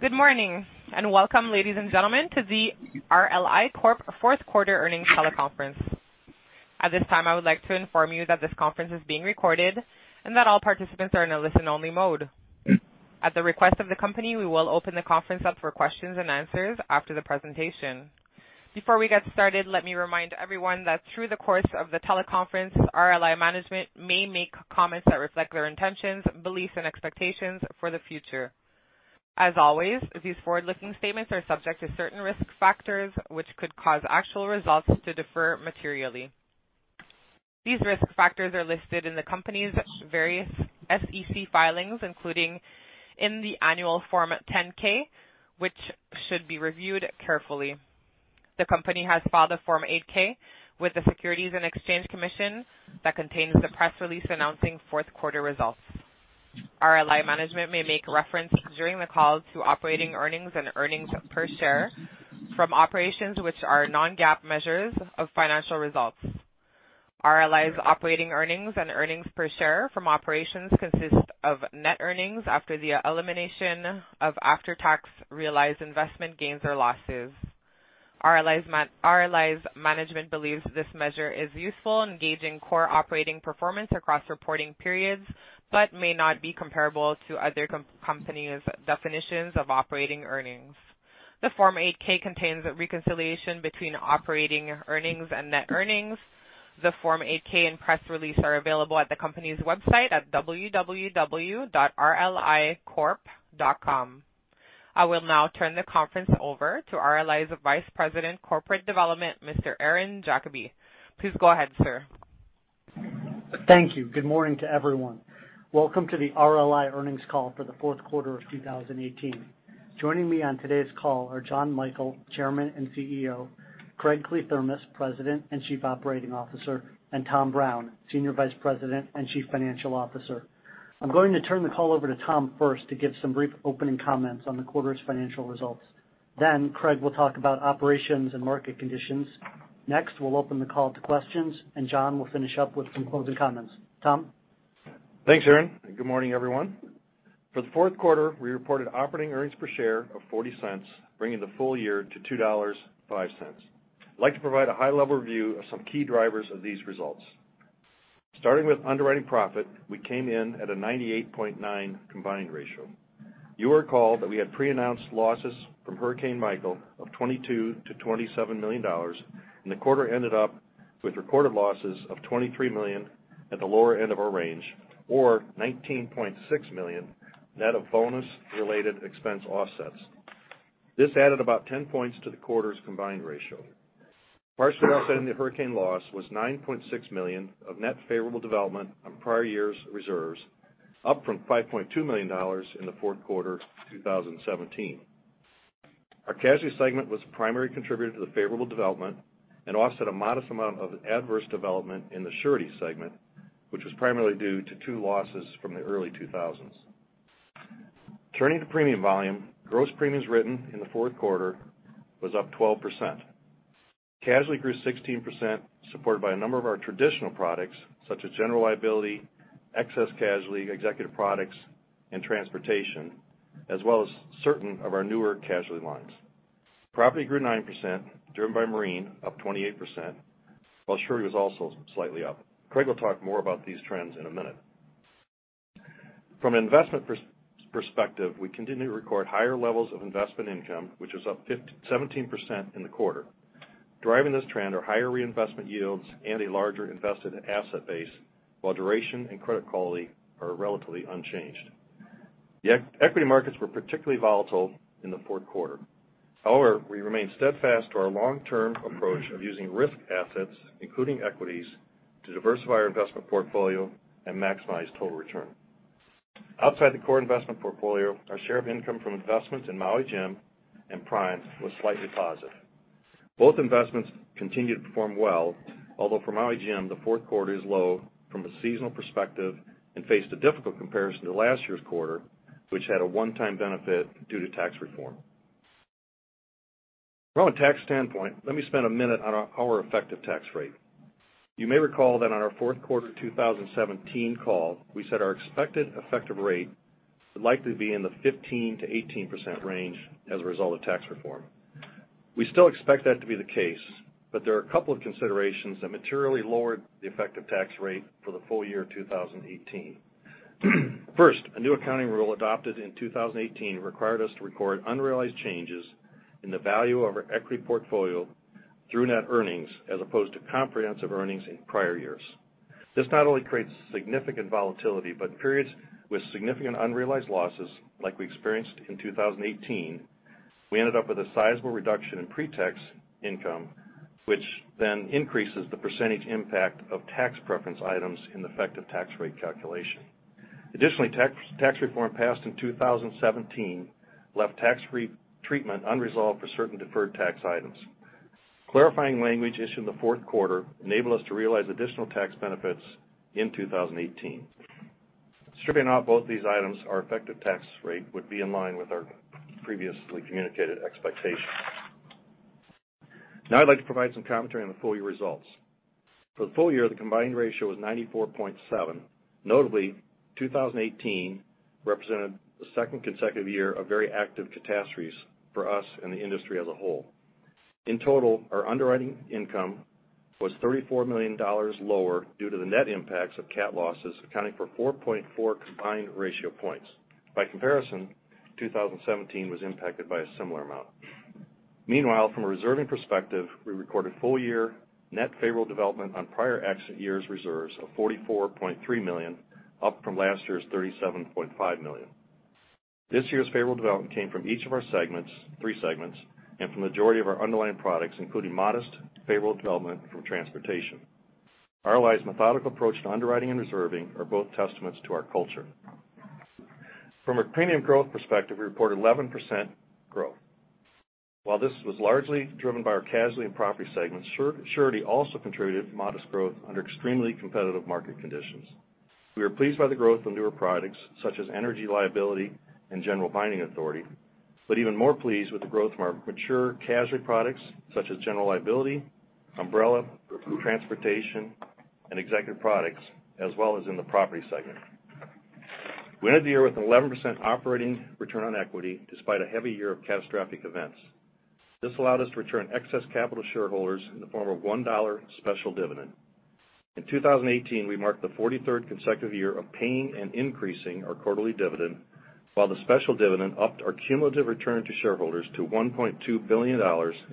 Good morning, welcome, ladies and gentlemen, to the RLI Corp fourth quarter earnings teleconference. At this time, I would like to inform you that this conference is being recorded, and that all participants are in a listen-only mode. At the request of the company, we will open the conference up for questions and answers after the presentation. Before we get started, let me remind everyone that through the course of the teleconference, RLI management may make comments that reflect their intentions, beliefs, and expectations for the future. As always, these forward-looking statements are subject to certain risk factors, which could cause actual results to differ materially. These risk factors are listed in the company's various SEC filings, including in the annual Form 10-K, which should be reviewed carefully. The company has filed a Form 8-K with the Securities and Exchange Commission that contains the press release announcing fourth quarter results. RLI management may make reference during the call to operating earnings and earnings per share from operations which are non-GAAP measures of financial results. RLI's operating earnings and earnings per share from operations consist of net earnings after the elimination of after-tax realized investment gains or losses. RLI's management believes this measure is useful in gauging core operating performance across reporting periods, may not be comparable to other companies' definitions of operating earnings. The Form 8-K contains a reconciliation between operating earnings and net earnings. The Form 8-K and press release are available at the company's website at www.rlicorp.com. I will now turn the conference over to RLI's Vice President of Corporate Development, Mr. Aaron Diefenthaler. Please go ahead, sir. Thank you. Good morning to everyone. Welcome to the RLI earnings call for the fourth quarter of 2018. Joining me on today's call are Jonathan Michael, Chairman and CEO, Craig Kliethermes, President and Chief Operating Officer, and Tom Brown, Senior Vice President and Chief Financial Officer. I'm going to turn the call over to Tom first to give some brief opening comments on the quarter's financial results. Craig will talk about operations and market conditions. Next, we'll open the call to questions, Jonathan will finish up with some closing comments. Tom? Thanks, Aaron, good morning, everyone. For the fourth quarter, we reported operating earnings per share of $0.40, bringing the full year to $2.05. I'd like to provide a high-level view of some key drivers of these results. Starting with underwriting profit, we came in at a 98.9 combined ratio. You will recall that we had pre-announced losses from Hurricane Michael of $22 million-$27 million, and the quarter ended up with recorded losses of $23 million at the lower end of our range, or $19.6 million net of bonus-related expense offsets. This added about 10 points to the quarter's combined ratio. Partially offsetting the hurricane loss was $9.6 million of net favorable development on prior years' reserves, up from $5.2 million in the fourth quarter of 2017. Our casualty segment was a primary contributor to the favorable development and offset a modest amount of adverse development in the surety segment, which was primarily due to two losses from the early 2000s. Turning to premium volume, gross premiums written in the fourth quarter was up 12%. Casualty grew 16%, supported by a number of our traditional products such as General Liability, Excess Casualty, Executive Products, and Transportation, as well as certain of our newer casualty lines. Property grew 9%, driven by Marine, up 28%, while surety was also slightly up. Craig will talk more about these trends in a minute. From an investment perspective, we continue to record higher levels of investment income, which was up 17% in the quarter. Driving this trend are higher reinvestment yields and a larger invested asset base, while duration and credit quality are relatively unchanged. However, the equity markets were particularly volatile in the fourth quarter. We remain steadfast to our long-term approach of using risk assets, including equities, to diversify our investment portfolio and maximize total return. Outside the core investment portfolio, our share of income from investments in Maui Jim and Prime was slightly positive. Both investments continue to perform well, although for Maui Jim, the fourth quarter is low from a seasonal perspective and faced a difficult comparison to last year's quarter, which had a one-time benefit due to tax reform. From a tax standpoint, let me spend a minute on our effective tax rate. You may recall that on our fourth quarter 2017 call, we said our expected effective rate would likely be in the 15%-18% range as a result of tax reform. We still expect that to be the case, but there are a couple of considerations that materially lowered the effective tax rate for the full year 2018. First, a new accounting rule adopted in 2018 required us to record unrealized changes in the value of our equity portfolio through net earnings as opposed to comprehensive earnings in prior years. This not only creates significant volatility, but periods with significant unrealized losses like we experienced in 2018, we ended up with a sizable reduction in pre-tax income, which then increases the percentage impact of tax preference items in the effective tax rate calculation. Additionally, tax reform passed in 2017 left tax treatment unresolved for certain deferred tax items. Clarifying language issued in the fourth quarter enabled us to realize additional tax benefits in 2018. Stripping out both these items, our effective tax rate would be in line with our previously communicated expectations. Now I'd like to provide some commentary on the full year results. Notably, for the full year, the combined ratio was 94.7. 2018 represented the second consecutive year of very active catastrophes for us and the industry as a whole. In total, our underwriting income was $34 million lower due to the net impacts of cat losses, accounting for 4.4 combined ratio points. By comparison, 2017 was impacted by a similar amount. Meanwhile, from a reserving perspective, we recorded full-year net favorable development on prior accident years' reserves of $44.3 million, up from last year's $37.5 million. This year's favorable development came from each of our three segments and from the majority of our underlying products, including modest favorable development from Transportation. RLI's methodical approach to underwriting and reserving are both testaments to our culture. From a premium growth perspective, we reported 11% growth. While this was largely driven by our casualty and property segments, surety also contributed modest growth under extremely competitive market conditions. We are pleased by the growth of newer products such as Energy Liability and General Binding Authority, but even more pleased with the growth from our mature casualty products such as General Liability, umbrella, Transportation, and Executive Products, as well as in the property segment. We ended the year with an 11% operating return on equity despite a heavy year of catastrophic events. This allowed us to return excess capital to shareholders in the form of a $1 special dividend. In 2018, we marked the 43rd consecutive year of paying and increasing our quarterly dividend, while the special dividend upped our cumulative return to shareholders to $1.2 billion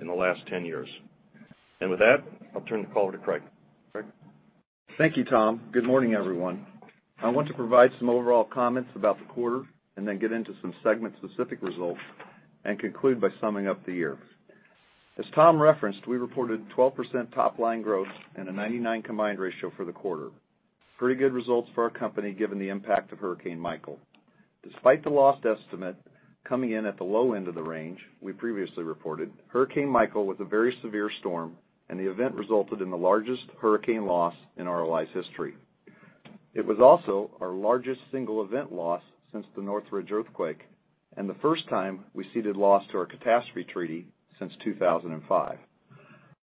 in the last 10 years. With that, I'll turn the call over to Craig. Craig? Thank you, Tom. Good morning, everyone. I want to provide some overall comments about the quarter and then get into some segment-specific results and conclude by summing up the year. As Tom referenced, we reported 12% top-line growth and a 99 combined ratio for the quarter. Pretty good results for our company given the impact of Hurricane Michael. Despite the loss estimate coming in at the low end of the range we previously reported, Hurricane Michael was a very severe storm and the event resulted in the largest hurricane loss in RLI's history. It was also our largest single event loss since the Northridge earthquake and the first time we ceded loss to our catastrophe treaty since 2005.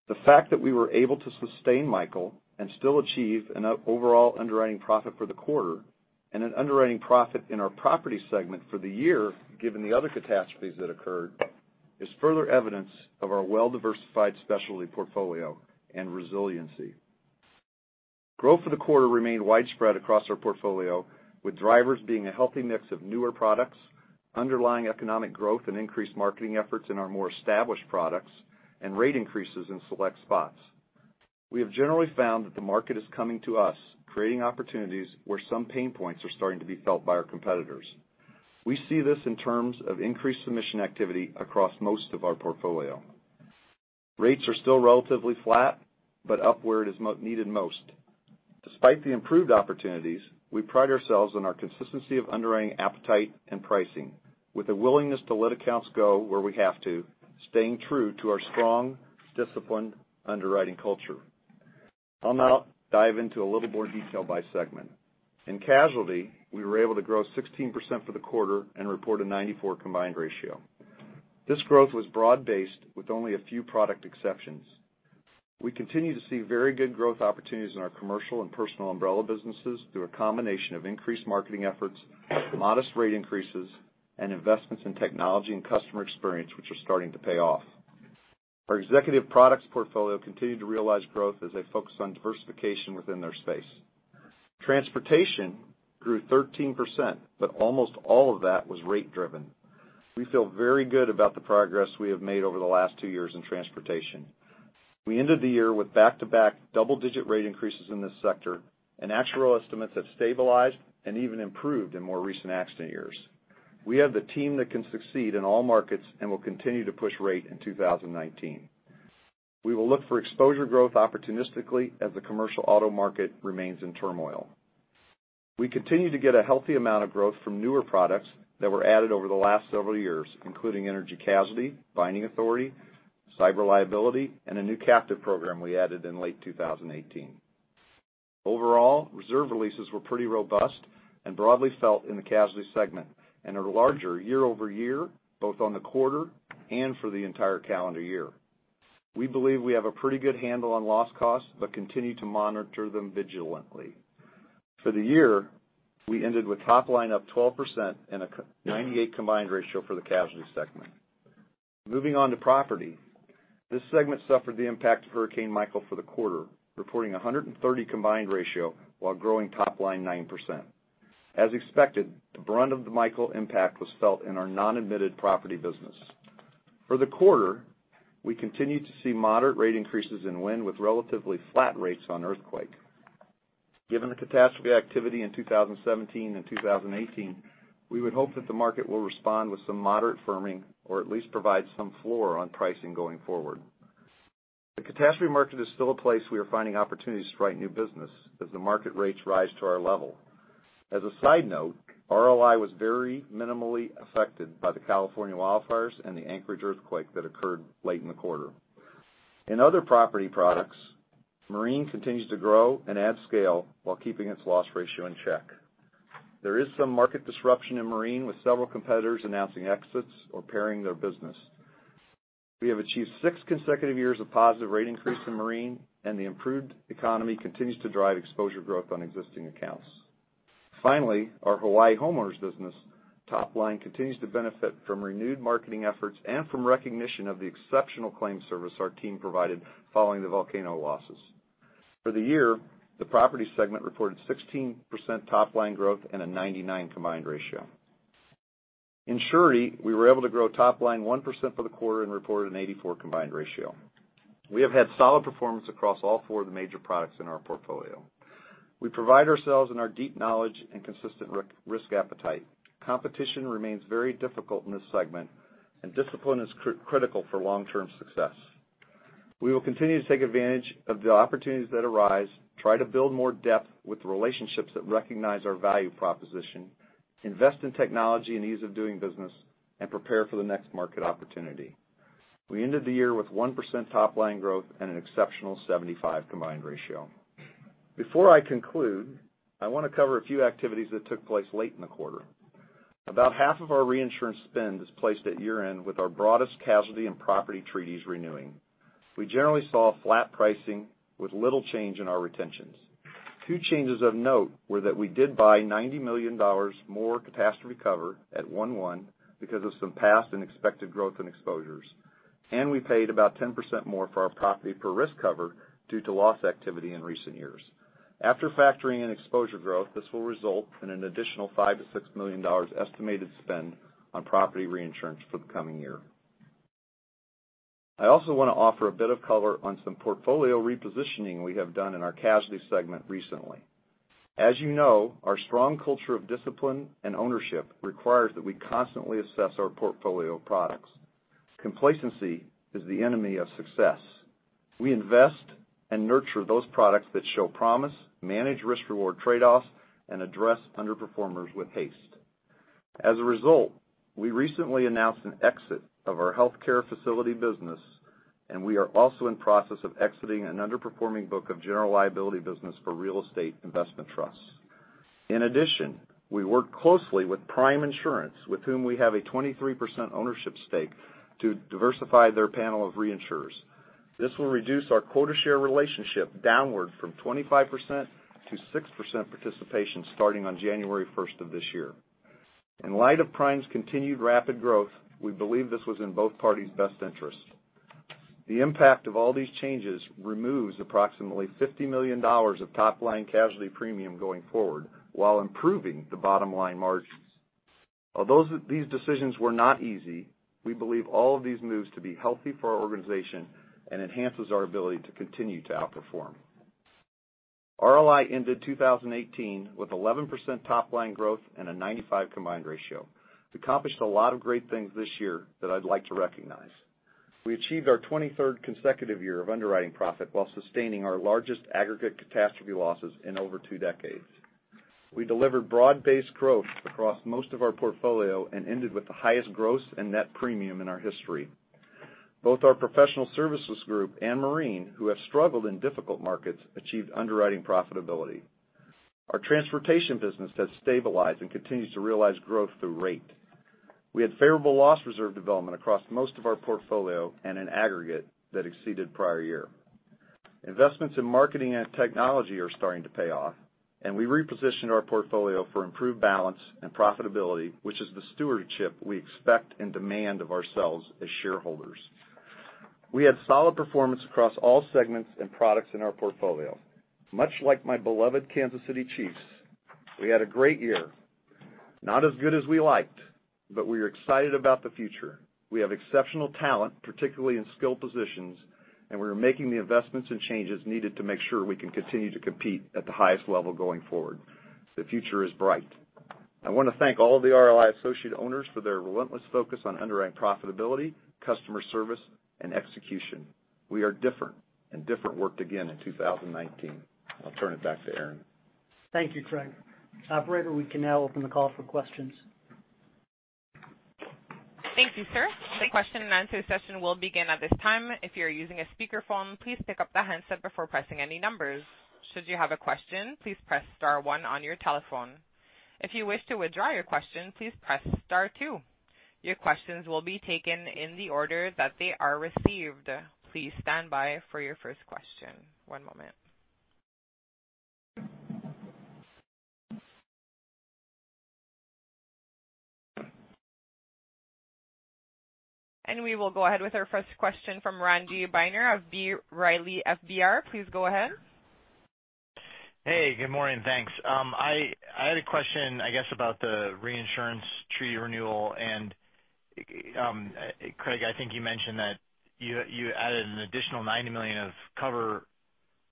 The fact that we were able to sustain Michael and still achieve an overall underwriting profit for the quarter and an underwriting profit in our property segment for the year, given the other catastrophes that occurred, is further evidence of our well-diversified specialty portfolio and resiliency. Growth for the quarter remained widespread across our portfolio, with drivers being a healthy mix of newer products, underlying economic growth and increased marketing efforts in our more established products, and rate increases in select spots. We have generally found that the market is coming to us, creating opportunities where some pain points are starting to be felt by our competitors. We see this in terms of increased submission activity across most of our portfolio. Rates are still relatively flat, upward is needed most. Despite the improved opportunities, we pride ourselves on our consistency of underwriting appetite and pricing, with a willingness to let accounts go where we have to, staying true to our strong, disciplined underwriting culture. I'll now dive into a little more detail by segment. In casualty, we were able to grow 16% for the quarter and report a 94 combined ratio. This growth was broad-based with only a few product exceptions. We continue to see very good growth opportunities in our commercial and personal umbrella businesses through a combination of increased marketing efforts, modest rate increases, and investments in technology and customer experience, which are starting to pay off. Our Executive Products portfolio continued to realize growth as they focus on diversification within their space. Transportation grew 13%, but almost all of that was rate driven. We feel very good about the progress we have made over the last two years in Transportation. We ended the year with back-to-back double-digit rate increases in this sector, and actual estimates have stabilized and even improved in more recent accident years. We have the team that can succeed in all markets and will continue to push rate in 2019. We will look for exposure growth opportunistically as the commercial auto market remains in turmoil. We continue to get a healthy amount of growth from newer products that were added over the last several years, including Energy Casualty, binding authority, cyber liability, and a new captive program we added in late 2018. Overall, reserve releases were pretty robust and broadly felt in the casualty segment and are larger year-over-year, both on the quarter and for the entire calendar year. We believe we have a pretty good handle on loss costs but continue to monitor them vigilantly. For the year, we ended with top line up 12% and a 98 combined ratio for the casualty segment. Moving on to Property. This segment suffered the impact of Hurricane Michael for the quarter, reporting 130 combined ratio while growing top line 9%. As expected, the brunt of the Michael impact was felt in our non-admitted property business. For the quarter, we continued to see moderate rate increases in wind, with relatively flat rates on earthquake. Given the catastrophe activity in 2017 and 2018, we would hope that the market will respond with some moderate firming or at least provide some floor on pricing going forward. The catastrophe market is still a place we are finding opportunities to write new business as the market rates rise to our level. As a side note, RLI was very minimally affected by the California wildfires and the Anchorage earthquake that occurred late in the quarter. In other property products, Marine continues to grow and add scale while keeping its loss ratio in check. There is some market disruption in Marine with several competitors announcing exits or paring their business. We have achieved six consecutive years of positive rate increase in Marine, and the improved economy continues to drive exposure growth on existing accounts. Finally, our Hawaii homeowners business top line continues to benefit from renewed marketing efforts and from recognition of the exceptional claim service our team provided following the volcano losses. For the year, the Property segment reported 16% top line growth and a 99 combined ratio. In Surety, we were able to grow top line 1% for the quarter and reported an 84 combined ratio. We have had solid performance across all four of the major products in our portfolio. We pride ourselves in our deep knowledge and consistent risk appetite. Competition remains very difficult in this segment, and discipline is critical for long-term success. We will continue to take advantage of the opportunities that arise, try to build more depth with relationships that recognize our value proposition, invest in technology and ease of doing business, and prepare for the next market opportunity. We ended the year with 1% top line growth and an exceptional 75 combined ratio. Before I conclude, I want to cover a few activities that took place late in the quarter. About half of our reinsurance spend is placed at year-end with our broadest casualty and property treaties renewing. We generally saw flat pricing with little change in our retentions. Two changes of note were that we did buy $90 million more catastrophe cover at one-one because of some past and expected growth in exposures, and we paid about 10% more for our property per-risk cover due to loss activity in recent years. After factoring in exposure growth, this will result in an additional $5 million-$6 million estimated spend on property reinsurance for the coming year. I also want to offer a bit of color on some portfolio repositioning we have done in our casualty segment recently. As you know, our strong culture of discipline and ownership requires that we constantly assess our portfolio of products. Complacency is the enemy of success. We invest and nurture those products that show promise, manage risk-reward trade-offs, and address underperformers with haste. As a result, we recently announced an exit of our healthcare facility business, and we are also in process of exiting an underperforming book of General Liability business for real estate investment trusts. In addition, we work closely with Prime Insurance, with whom we have a 23% ownership stake, to diversify their panel of reinsurers. This will reduce our quota share relationship downward from 25% to 6% participation starting on January 1st of this year. In light of Prime's continued rapid growth, we believe this was in both parties' best interests. The impact of all these changes removes approximately $50 million of top line casualty premium going forward while improving the bottom line margins. Although these decisions were not easy, we believe all of these moves to be healthy for our organization and enhances our ability to continue to outperform. RLI ended 2018 with 11% top line growth and a 95 combined ratio. Accomplished a lot of great things this year that I'd like to recognize. We achieved our 23rd consecutive year of underwriting profit while sustaining our largest aggregate catastrophe losses in over two decades. We delivered broad-based growth across most of our portfolio and ended with the highest gross and net premium in our history. Both our Professional Services Group and Marine, who have struggled in difficult markets, achieved underwriting profitability. Our Transportation business has stabilized and continues to realize growth through rate. We had favorable loss reserve development across most of our portfolio and in aggregate that exceeded prior year. Investments in marketing and technology are starting to pay off, and we repositioned our portfolio for improved balance and profitability, which is the stewardship we expect and demand of ourselves as shareholders. We had solid performance across all segments and products in our portfolio. Much like my beloved Kansas City Chiefs, we had a great year. Not as good as we liked, but we are excited about the future. We have exceptional talent, particularly in skilled positions, and we are making the investments and changes needed to make sure we can continue to compete at the highest level going forward. The future is bright. I want to thank all of the RLI associate owners for their relentless focus on underwriting profitability, customer service, and execution. We are different, and different worked again in 2019. I'll turn it back to Aaron. Thank you, Craig. Operator, we can now open the call for questions. Thank you, sir. The question and answer session will begin at this time. If you're using a speakerphone, please pick up the handset before pressing any numbers. Should you have a question, please press star one on your telephone. If you wish to withdraw your question, please press star two. Your questions will be taken in the order that they are received. Please stand by for your first question. One moment. We will go ahead with our first question from Randy Binner of B. Riley FBR. Please go ahead. Hey, good morning. Thanks. I had a question, I guess, about the reinsurance treaty renewal, and, Craig, I think you mentioned that you added an additional $90 million of cover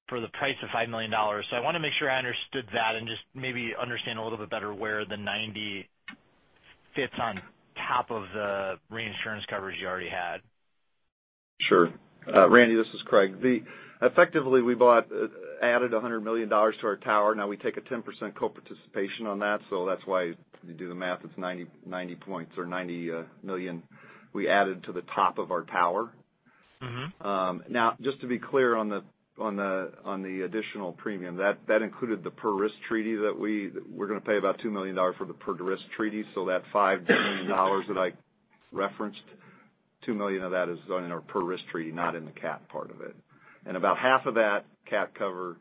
for the price of $5 million. I want to make sure I understood that and just maybe understand a little bit better where the 90 fits on top of the reinsurance coverage you already had. Sure. Randy, this is Craig. Effectively, we added $100 million to our tower. We take a 10% co-participation on that's why, if you do the math, it's 90 points or $90 million we added to the top of our tower. Just to be clear on the additional premium, that included the per-risk treaty that we're going to pay about $2 million for the per-risk treaty. That $5 million that I referenced, $2 million of that is in our per-risk treaty, not in the cat part of it. About half of that cat cover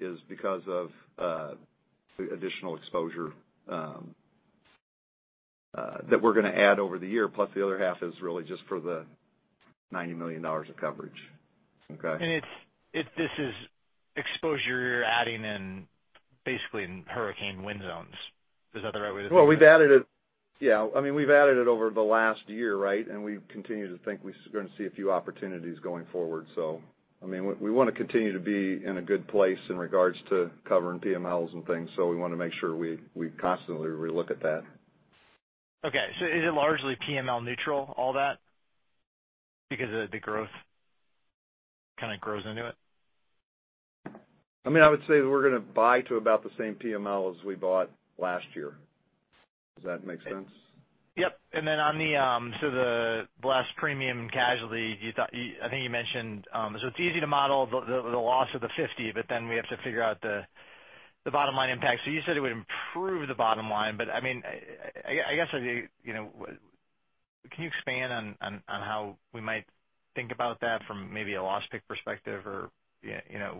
is because of the additional exposure that we're going to add over the year, plus the other half is really just for the $90 million of coverage. Okay? This is exposure you're adding in, basically in hurricane wind zones. Is that the right way to think of it? Well, we've added it over the last year, right? We continue to think we're going to see a few opportunities going forward. We want to continue to be in a good place in regards to covering PMLs and things, we want to make sure we constantly relook at that. Is it largely PML neutral, all that? Because the growth kind of grows into it? I would say that we're going to buy to about the same PML as we bought last year. Does that make sense? Yep. On the less premium casualty, I think you mentioned, it's easy to model the loss of the $50, we have to figure out the bottom line impact. You said it would improve the bottom line, can you expand on how we might think about that from maybe a loss pick perspective or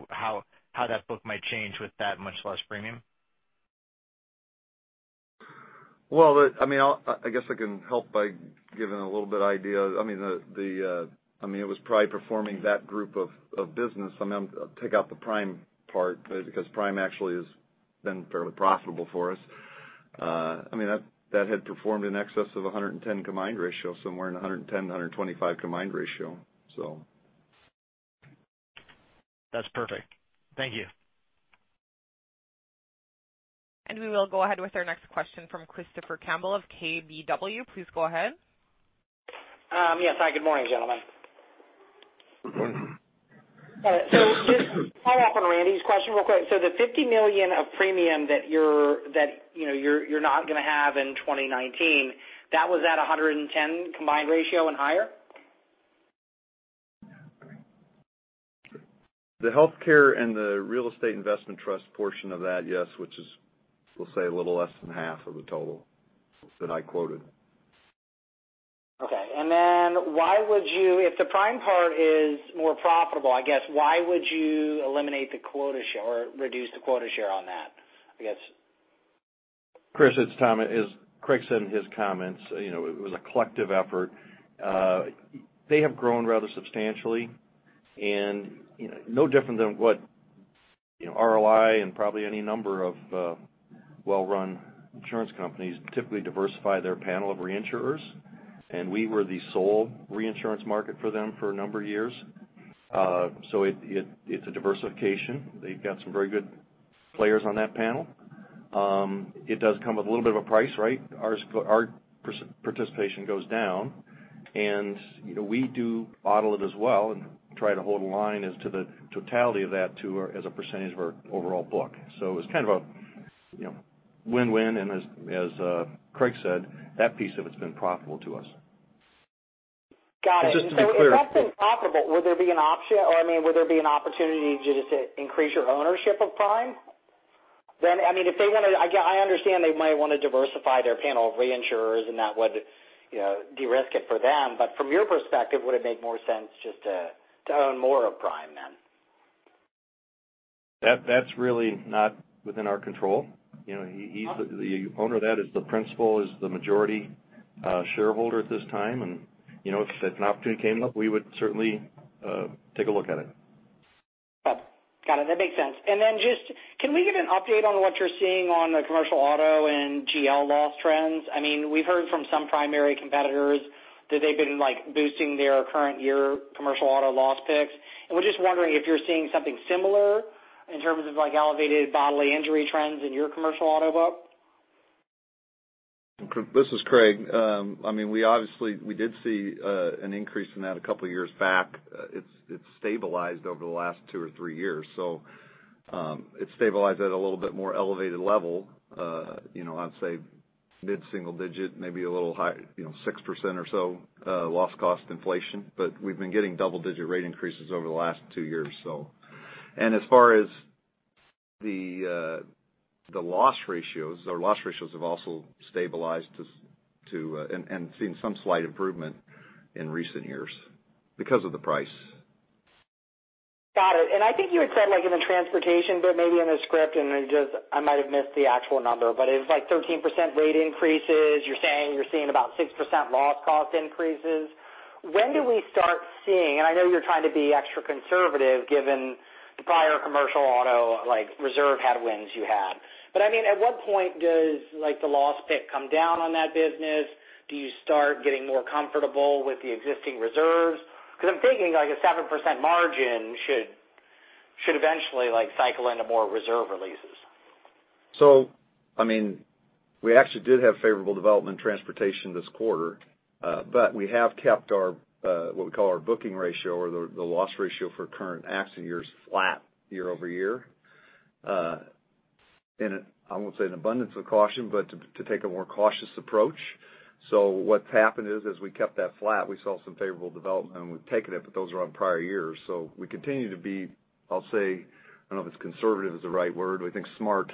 how that book might change with that much less premium? Well, I guess I can help by giving a little bit of idea. It was probably performing that group of business. Take out the Prime part, because Prime actually has been fairly profitable for us. That had performed in excess of 110 combined ratio, somewhere in the 110-125 combined ratio. That's perfect. Thank you. We will go ahead with our next question from Christopher Campbell of KBW. Please go ahead. Yes. Hi, good morning, gentlemen. Morning. Just to follow up on Randy's question real quick. The $50 million of premium that you're not going to have in 2019, that was at 110 combined ratio and higher? The healthcare and the real estate investment trust portion of that, yes, which is, we'll say a little less than half of the total that I quoted. Okay. Then if the Prime part is more profitable, I guess why would you eliminate the quota share or reduce the quota share on that? Chris, it's Tom. As Craig said in his comments, it was a collective effort. They have grown rather substantially. No different than what RLI and probably any number of well run insurance companies typically diversify their panel of reinsurers. We were the sole reinsurance market for them for a number of years. It's a diversification. They've got some very good players on that panel. It does come with a little bit of a price, right? Our participation goes down, and we do model it as well and try to hold a line as to the totality of that, too, as a % of our overall book. It was kind of a win-win, and as Craig said, that piece of it's been profitable to us. Got it. Just to be clear. If that's been profitable, would there be an opportunity just to increase your ownership of Prime then? I understand they might want to diversify their panel of reinsurers and that would de-risk it for them, but from your perspective, would it make more sense just to own more of Prime then? That's really not within our control. The owner of that is the principal, is the majority shareholder at this time, and if an opportunity came up, we would certainly take a look at it. Got it. That makes sense. Then just, can we get an update on what you're seeing on the commercial auto and GL loss trends? We've heard from some primary competitors that they've been boosting their current year commercial auto loss picks. We're just wondering if you're seeing something similar in terms of elevated bodily injury trends in your commercial auto book. This is Craig. We did see an increase in that a couple of years back. It's stabilized over the last two or three years. It stabilized at a little bit more elevated level. I'd say mid-single digit, maybe 6% or so loss cost inflation. We've been getting double-digit rate increases over the last two years. As far as the loss ratios, our loss ratios have also stabilized and seen some slight improvement in recent years because of the price. Got it. I think you had said in the Transportation bit, maybe in the script, and I might have missed the actual number, but it was like 13% rate increases. You're saying you're seeing about 6% loss cost increases. When do we start seeing, and I know you're trying to be extra conservative given the prior commercial auto reserve headwinds you had. At what point does the loss pick come down on that business? Do you start getting more comfortable with the existing reserves? I'm thinking a 7% margin should eventually cycle into more reserve releases. We actually did have favorable development Transportation this quarter. We have kept what we call our booking ratio or the loss ratio for current accident years flat year over year. In, I won't say an abundance of caution, but to take a more cautious approach. What's happened is, as we kept that flat, we saw some favorable development, and we've taken it, but those are on prior years. We continue to be, I'll say, I don't know if conservative is the right word, we think smart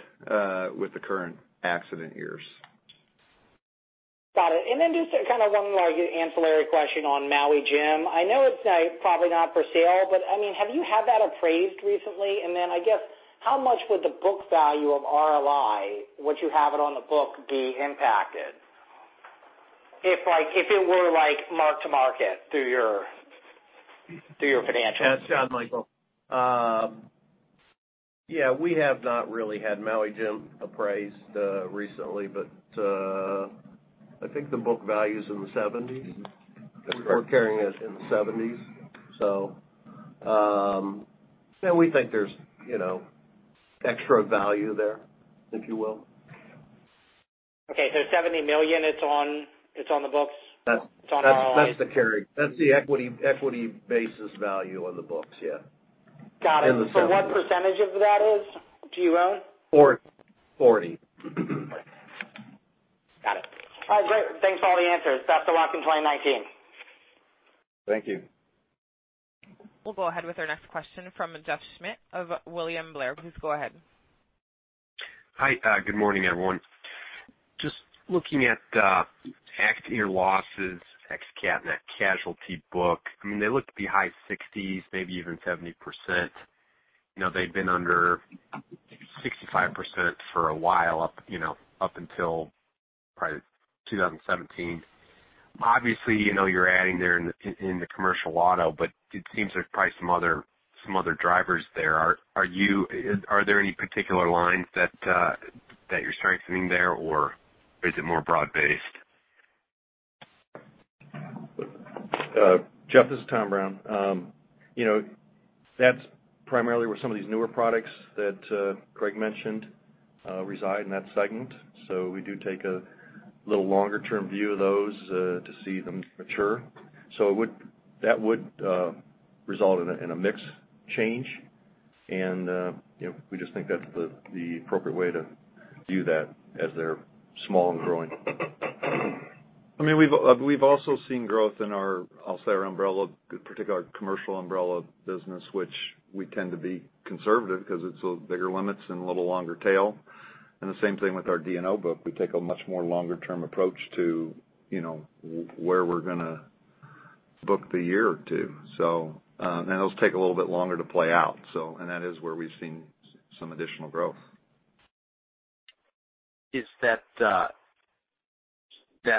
with the current accident years. Got it. Then just one more ancillary question on Maui Jim. I know it's probably not for sale, but have you had that appraised recently? Then, I guess, how much would the book value of RLI, would you have it on the book be impacted? If it were mark to market through your financials. Yeah, sure, Michael. We have not really had Maui Jim appraised recently, but I think the book value's in the 70s. We're carrying it in the 70s. We think there's extra value there, if you will. Okay. Seventy million, it's on the books? It's on RLI. That's the carry. That's the equity basis value on the books. Got it. In the seventies. What percentage of that do you own? Forty. Got it. All right, great. Thanks for all the answers. Best of luck in 2019. Thank you. We'll go ahead with our next question from Jeff Schmitt of William Blair. Please go ahead. Hi, good morning, everyone. Just looking at the accident year losses, ex cat net casualty book. They look to be high 60s, maybe even 70%. They've been under maybe 65% for a while, up until probably 2017. Obviously, you're adding there in the commercial auto, but it seems there's probably some other drivers there. Are there any particular lines that you're strengthening there, or is it more broad-based? Jeff, this is Tom Brown. That's primarily where some of these newer products that Craig mentioned reside in that segment. We do take a little longer-term view of those to see them mature. That would result in a mix change, and we just think that's the appropriate way to view that as they're small and growing. We've also seen growth in our, I'll say our umbrella, particularly our commercial umbrella business, which we tend to be conservative because it's bigger limits and a little longer tail. The same thing with our D&O book, we take a much more longer-term approach to where we're going to book the year or two. Those take a little bit longer to play out, that is where we've seen some additional growth. Is that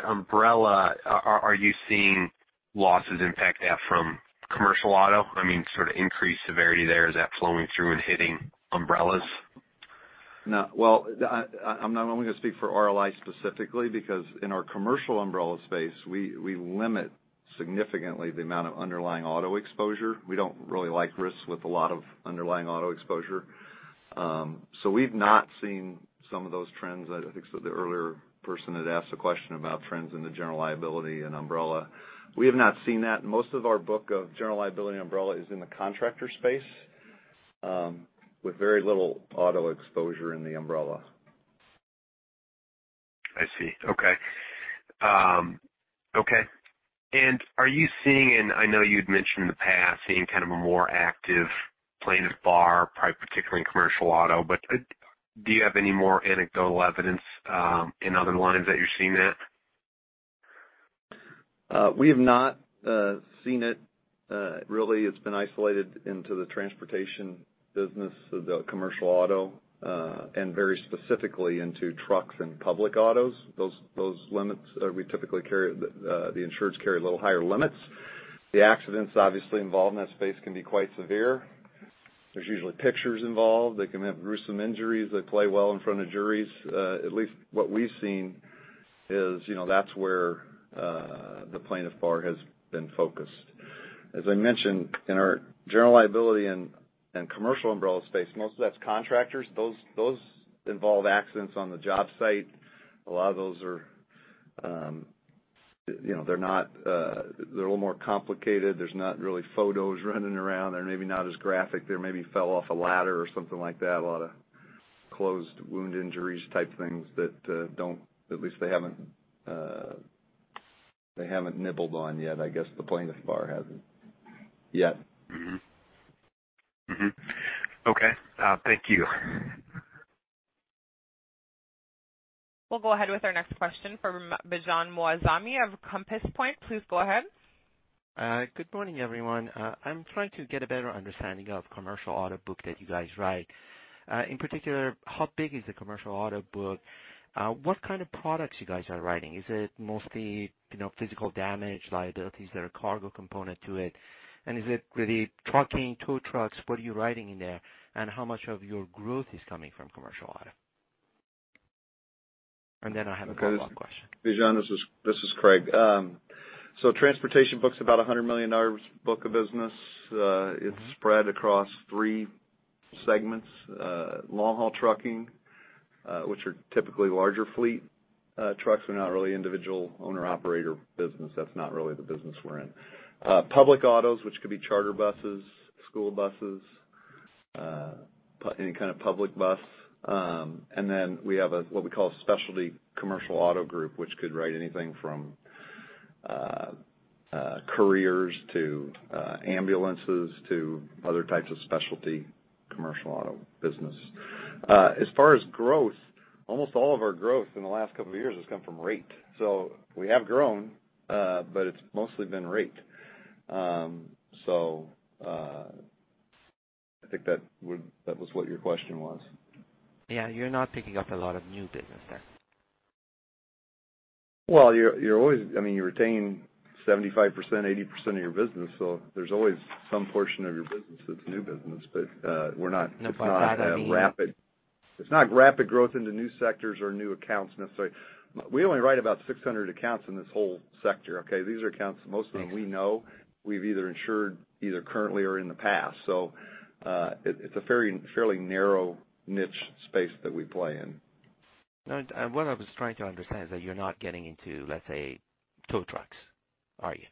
umbrella, are you seeing losses impact that from commercial auto? I mean, increased severity there, is that flowing through and hitting umbrellas? No. Well, I'm not only going to speak for RLI specifically, because in our commercial umbrella space, we limit significantly the amount of underlying auto exposure. We don't really like risks with a lot of underlying auto exposure. We've not seen some of those trends. I think the earlier person had asked a question about trends in the General Liability and umbrella. We have not seen that. Most of our book of General Liability and umbrella is in the contractor space, with very little auto exposure in the umbrella. I see. Okay. Are you seeing, and I know you'd mentioned in the past, seeing kind of a more active plaintiff bar, probably particularly in commercial auto, but do you have any more anecdotal evidence in other lines that you're seeing it? We have not seen it. Really, it's been isolated into the Transportation business of the commercial auto, and very specifically into trucks and public autos. Those limits, we typically carry, the insurers carry a little higher limits. The accidents obviously involved in that space can be quite severe. There's usually pictures involved. They can have gruesome injuries. They play well in front of juries. At least what we've seen is that's where the plaintiff bar has been focused. As I mentioned, in our General Liability and commercial umbrella space, most of that's contractors. Those involve accidents on the job site. A lot of those are a little more complicated. There's not really photos running around. They're maybe not as graphic. They maybe fell off a ladder or something like that. A lot of closed wound injuries type things that don't, at least they haven't nibbled on yet. I guess the plaintiff's bar hasn't yet. Mm-hmm. Okay. Thank you. We'll go ahead with our next question from Bijan Moazami of Compass Point. Please go ahead. Good morning, everyone. I'm trying to get a better understanding of commercial auto book that you guys write. In particular, how big is the commercial auto book? What kind of products you guys are writing? Is it mostly physical damage, liabilities? Is there a cargo component to it? Is it really trucking, tow trucks? What are you writing in there? How much of your growth is coming from commercial auto? I have a follow-up question. Bijan, this is Craig. Transportation book's about $100 million book of business. It's spread across three segments. Long-haul trucking, which are typically larger fleet trucks are not really individual owner operator business. That's not really the business we're in. Public autos, which could be charter buses, school buses, any kind of public bus. We have what we call specialty commercial auto group, which could write anything from couriers to ambulances to other types of specialty commercial auto business. As far as growth, almost all of our growth in the last couple of years has come from rate. We have grown, but it's mostly been rate. I think that was what your question was. Yeah. You're not picking up a lot of new business there. Well, you retain 75%, 80% of your business, so there's always some portion of your business that's new business. It's not. No. It's not rapid growth into new sectors or new accounts necessarily. We only write about 600 accounts in this whole sector, okay? These are accounts that most of them we know. We've either insured either currently or in the past. It's a fairly narrow niche space that we play in. No, what I was trying to understand is that you're not getting into, let's say, tow trucks, are you?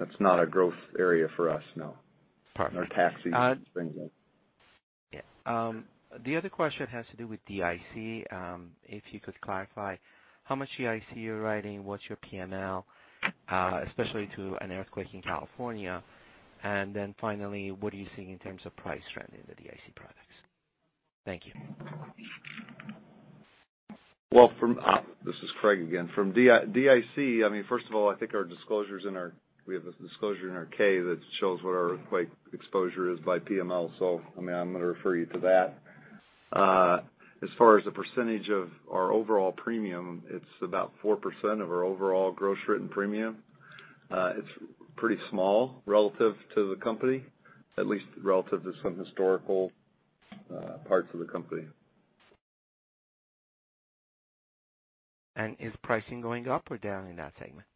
That's not a growth area for us, no. Okay. Nor taxis or things like that. The other question has to do with DIC. If you could clarify how much DIC you're writing, what's your PML, especially to an earthquake in California. Finally, what are you seeing in terms of price trend in the DIC products? Thank you. Well, this is Craig again. From DIC, first of all, I think we have a disclosure in our Form 10-K that shows what our earthquake exposure is by PML. I'm going to refer you to that. As far as the percentage of our overall premium, it's about 4% of our overall gross written premium. It's pretty small relative to the company, at least relative to some historical parts of the company. Is pricing going up or down in that segment?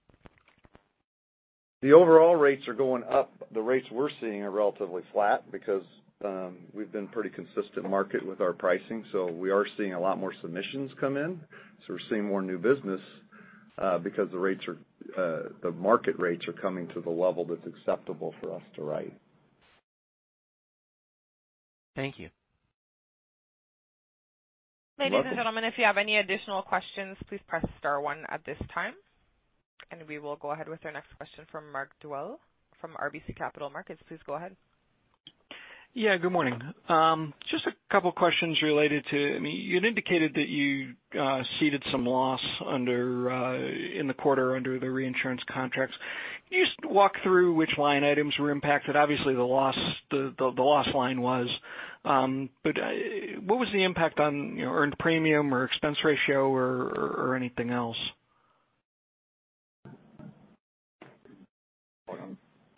The overall rates are going up. The rates we're seeing are relatively flat because we've been pretty consistent market with our pricing. We are seeing a lot more submissions come in. We're seeing more new business, because the market rates are coming to the level that's acceptable for us to write. Thank you. You're welcome. Ladies and gentlemen, if you have any additional questions, please press star one at this time, we will go ahead with our next question from Mark Dwelle, from RBC Capital Markets. Please go ahead. Yeah, good morning. Just a couple questions related to, you had indicated that you ceded some loss in the quarter under the reinsurance contracts. Can you just walk through which line items were impacted? Obviously, the loss line was. What was the impact on earned premium or expense ratio or anything else?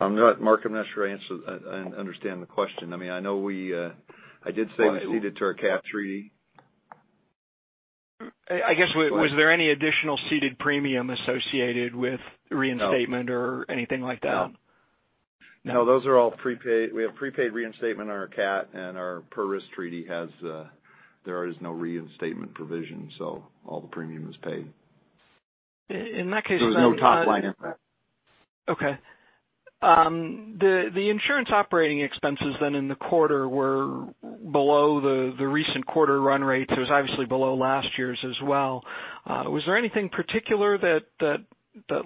Mark, I'm not sure I understand the question. I did say we ceded to our catastrophe treaty. I guess, was there any additional ceded premium associated with reinstatement or anything like that? No. No? No, we have prepaid reinstatement on our cat and our per-risk treaty, there is no reinstatement provision, so all the premium is paid. In that case then There's no top line impact. The insurance operating expenses in the quarter were below the recent quarter run rates. It was obviously below last year's as well. Was there anything particular that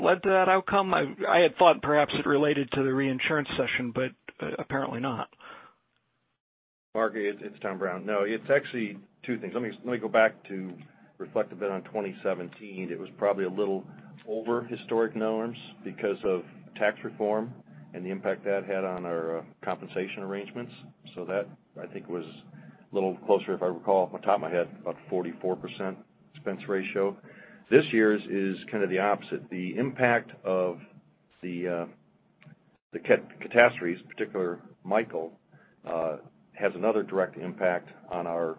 led to that outcome? I had thought perhaps it related to the reinsurance cession, but apparently not. Mark, it's Tom Brown. It's actually two things. Let me go back to reflect a bit on 2017. It was probably a little over historic norms because of tax reform and the impact that had on our compensation arrangements. That, I think, was a little closer, if I recall off the top of my head, about 44% expense ratio. This year's is kind of the opposite. The impact of the catastrophes, particular Michael, has another direct impact on our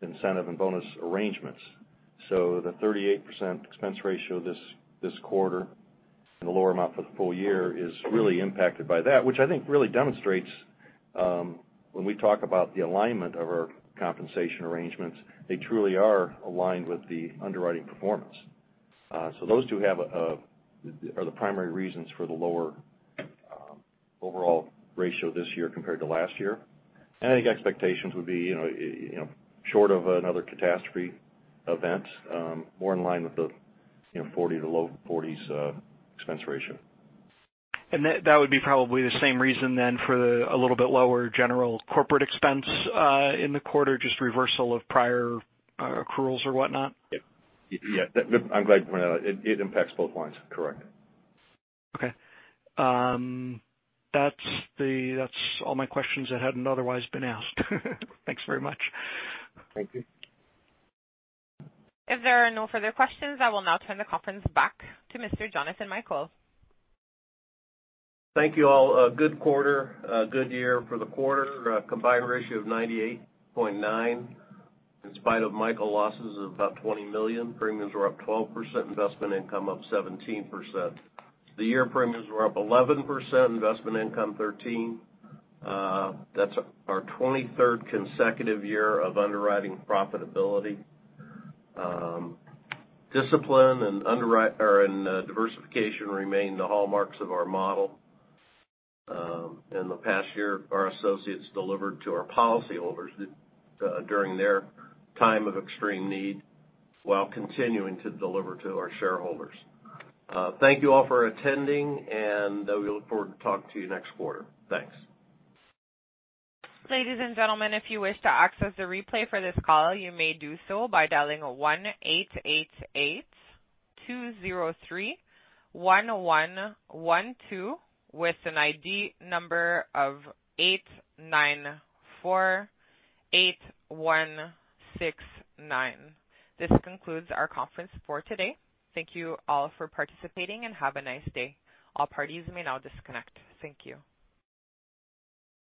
incentive and bonus arrangements. The 38% expense ratio this quarter, and the lower amount for the full year, is really impacted by that, which I think really demonstrates when we talk about the alignment of our compensation arrangements, they truly are aligned with the underwriting performance. Those two are the primary reasons for the lower overall ratio this year compared to last year. Expectations would be, short of another catastrophe event, more in line with the low 40s expense ratio. That would be probably the same reason then for the a little bit lower general corporate expense in the quarter, just reversal of prior accruals or whatnot? Yeah. I'm glad you brought that up. It impacts both lines, correct. Okay. That's all my questions that hadn't otherwise been asked. Thanks very much. Thank you. If there are no further questions, I will now turn the conference back to Mr. Jonathan Michael. Thank you all. A good quarter, a good year. For the quarter, a combined ratio of 98.9%, in spite of Michael losses of about $20 million. Premiums were up 12%, investment income up 17%. The year premiums were up 11%, investment income 13%. That's our 23rd consecutive year of underwriting profitability. Discipline and diversification remain the hallmarks of our model. In the past year, our associates delivered to our policyholders during their time of extreme need, while continuing to deliver to our shareholders. Thank you all for attending. We look forward to talking to you next quarter. Thanks. Ladies and gentlemen, if you wish to access the replay for this call, you may do so by dialing 1-888-203-1112 with an ID number of 8948169. This concludes our conference for today. Thank you all for participating. Have a nice day. All parties may now disconnect. Thank you.